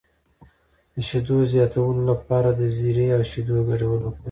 د شیدو زیاتولو لپاره د زیرې او شیدو ګډول وکاروئ